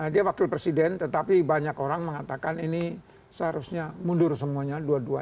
dia wakil presiden tetapi banyak orang mengatakan ini seharusnya mundur semuanya